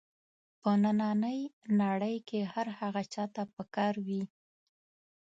په نننۍ نړۍ کې هر هغه چا ته په کار وي.